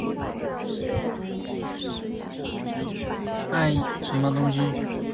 爱宕是东京都港区的地名。